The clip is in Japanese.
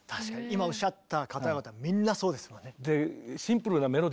今おっしゃった方々みんなそうですもんね。